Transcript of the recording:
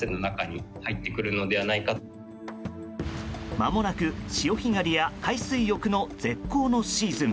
まもなく潮干狩りや海水浴の絶好のシーズン。